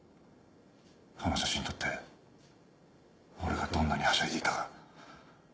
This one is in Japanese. あの写真を撮って俺がどんなにはしゃいでいたか。